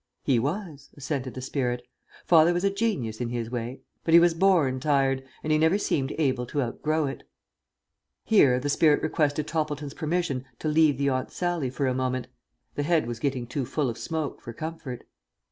"He was," assented the spirit. "Father was a genius in his way; but he was born tired, and he never seemed able to outgrow it." Here the spirit requested Toppleton's permission to leave the Aunt Sallie for a moment. The head was getting too full of smoke for comfort.